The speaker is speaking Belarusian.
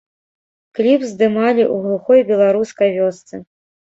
Кліп здымалі ў глухой беларускай вёсцы.